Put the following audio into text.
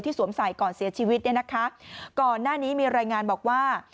สวมใส่ก่อนเสียชีวิตเนี่ยนะคะก่อนหน้านี้มีรายงานบอกว่า